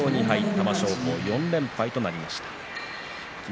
玉正鳳は、４連敗となりました。